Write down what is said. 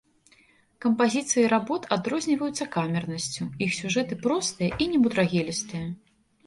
Кампазіцыі работ адрозніваюцца камернасцю, іх сюжэты простыя і немудрагелістыя.